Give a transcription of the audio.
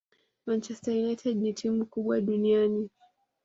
Manchester United ni timu kubwa duniani